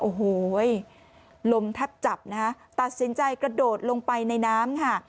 โอ้โหลมแทบจับนะฮะตัดสินใจกระโดดลงไปในน้ำค่ะ